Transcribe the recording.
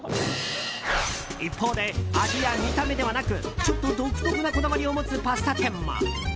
一方で、味や見た目ではなくちょっと独特なこだわりを持つパスタ店も。